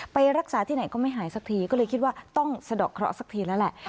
ไปรักษาที่ไหนก็ไม่หายสักทีก็เลยคิดว่าต้องสะดอกเคราะห์สักทีแล้วแหละ